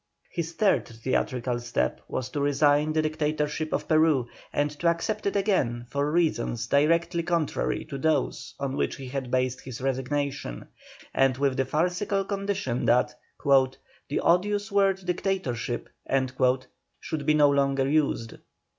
His third theatrical step was to resign the dictatorship of Peru, and to accept it again for reasons directly contrary to those on which he had based his resignation, and with the farcical condition that "the odious word dictatorship" should be no longer used.